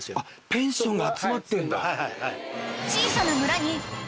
ペンションが集まってんだ。